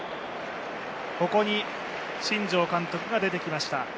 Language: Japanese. ここに新庄監督が出てきました。